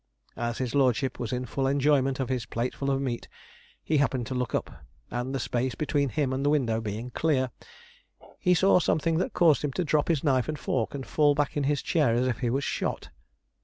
As his lordship was in the full enjoyment of his plateful of meat, he happened to look up, and, the space between him and the window being clear, he saw something that caused him to drop his knife and fork and fall back in his chair as if he was shot.